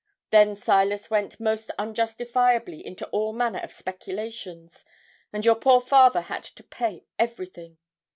Then Silas went most unjustifiably into all manner of speculations, and your poor father had to pay everything.